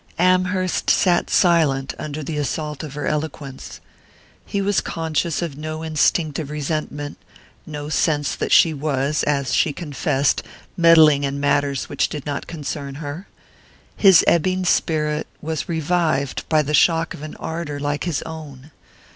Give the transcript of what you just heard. Amherst sat silent under the assault of her eloquence. He was conscious of no instinctive resentment, no sense that she was, as she confessed, meddling in matters which did not concern her. His ebbing spirit was revived by the shock of an ardour like his own.